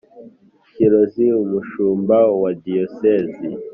kirozi umushumba wa diyosezi